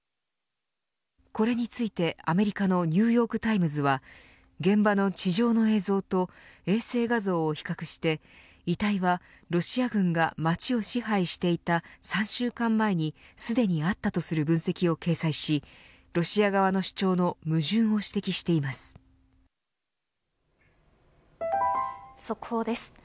これについてアメリカのニューヨーク・タイムズは現場の地上の映像と衛星画像を比較して遺体はロシア軍が町を支配していた３週間前にすでにあったとする分析を掲載しロシア側の主張の矛盾を速報です。